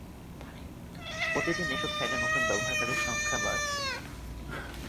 প্রতিদিন এসব সাইটে নতুন ব্যবহারকারীর সংখ্যা বাড়ছে।